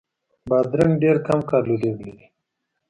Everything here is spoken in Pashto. بادرنګ ډېر کم کالوري لري.